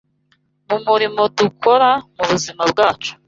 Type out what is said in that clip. Mu murimo dukora mu buzima bwacu